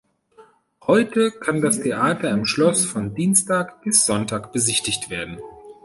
Heute kann das Theater im Schloss von Dienstag bis Sonntag besichtigt werden.